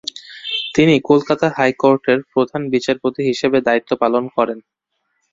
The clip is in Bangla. তিনি কলকাতা হাইকোর্টের প্রধান বিচারপতি হিসেবে দায়িত্ব পালন করেন।